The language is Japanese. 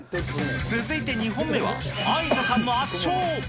続いて２本目はあいささんの圧勝。